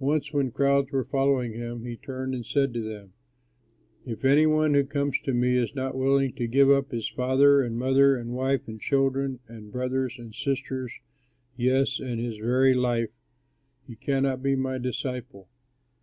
Once, when crowds were following him, he turned and said to them, "If any one who comes to me is not willing to give up his father and mother and wife and children and brothers and sisters, yes, and his very life, he cannot be my disciple.